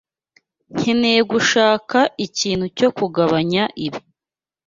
Nkeneye gushaka ikintu cyo kugabanya ibi.